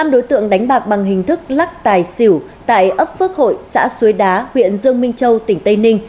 một mươi năm đối tượng đánh bạc bằng hình thức lắc tài xỉu tại ấp phước hội xã suối đá huyện dương minh châu tỉnh tây ninh